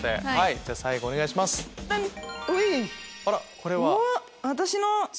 これは？